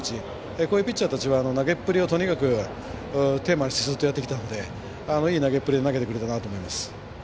こういったピッチャーたちは投げっぷりをとにかくテーマにしてずっとやってたのでいい投げっぷりで投げてくれたと思います。